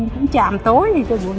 cũng chạm tối